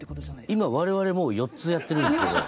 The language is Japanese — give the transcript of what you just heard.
今我々もう４つやってるんですけど。